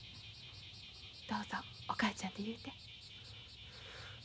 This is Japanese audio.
どうぞお母ちゃんて言うて。